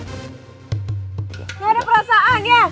gak ada perasaan ya